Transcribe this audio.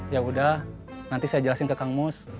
yaudah nanti saya jelasin ke kang mus